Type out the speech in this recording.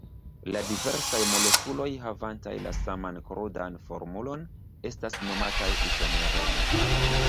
La diversaj molekuloj havantaj la saman krudan formulon estas nomataj izomeroj.